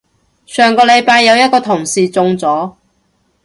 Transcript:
上個禮拜有一個同事中咗